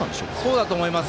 そうだと思います。